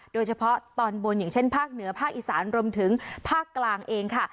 โดยเฉพาะตอนบนอย่างเช่นภาคเหนือภาคอีสานรวมถึงภาคกลางเองค่ะ